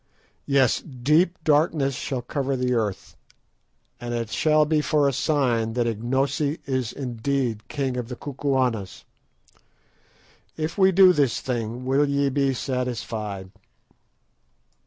Yes, deep darkness shall cover the earth, and it shall be for a sign that Ignosi is indeed king of the Kukuanas. If we do this thing, will ye be satisfied?"